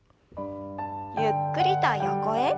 ゆっくりと横へ。